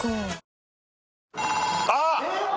あっ。